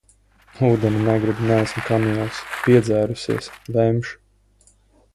Ūdeni negribu, neesmu kamielis. Piedzērusies! Vemšu.